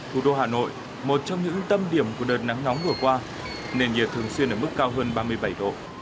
thủ đô hà nội một trong những tâm điểm của đợt nắng nóng vừa qua nền nhiệt thường xuyên ở mức cao hơn ba mươi bảy độ